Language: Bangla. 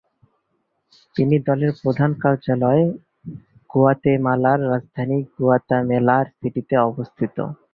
এই দলের প্রধান কার্যালয় গুয়াতেমালার রাজধানী গুয়াতেমালা সিটিতে অবস্থিত।